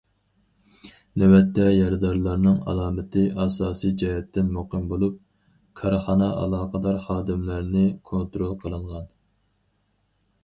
نۆۋەتتە، يارىدارلارنىڭ ئالامىتى ئاساسىي جەھەتتىن مۇقىم بولۇپ، كارخانا ئالاقىدار خادىملارنى كونترول قىلىنغان.